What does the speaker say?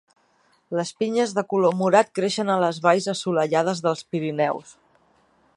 Les pinyes de color morat creixen a les valls assolellades dels Pirineus.